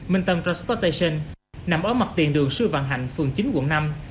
minh tâm transportation nằm ở mặt tiền đường sư vạn hạnh phường chín quận năm